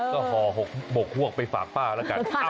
ก็ห่อ๖หมวกห่วงไปฝากป้าละกัน